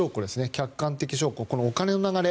客観的証拠、お金の流れ